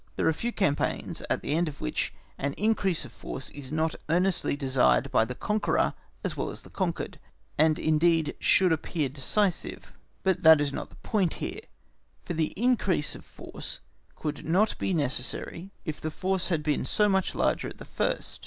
There are few campaigns at the end of which an increase of force is not earnestly desired by the conqueror as well as the conquered, and indeed should appear decisive; but that is not the point here, for that increase of force could not be necessary if the force had been so much larger at the first.